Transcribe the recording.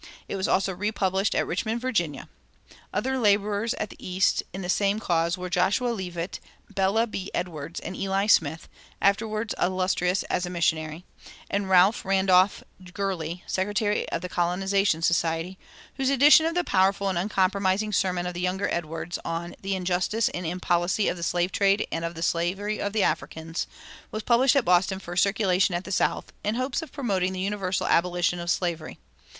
It was also republished at Richmond, Va. Other laborers at the East in the same cause were Joshua Leavitt, Bela B. Edwards, and Eli Smith, afterward illustrious as a missionary,[273:1] and Ralph Randolph Gurley, secretary of the Colonization Society, whose edition of the powerful and uncompromising sermon of the younger Edwards on "The Injustice and Impolicy of the Slave Trade and of the Slavery of the Africans" was published at Boston for circulation at the South, in hopes of promoting the universal abolition of slavery.